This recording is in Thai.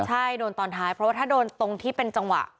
ใช่โดนตอนท้ายเพราะว่าถ้าโดนตรงที่เป็นจังหวะ